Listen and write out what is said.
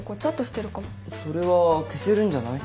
それは消せるんじゃない？